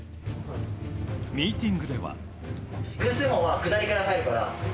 ミーティングでは。